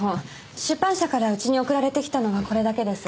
出版社からうちに送られてきたのはこれだけです。